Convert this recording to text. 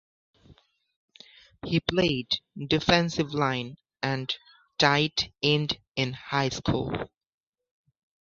He played defensive line and tight end in high school.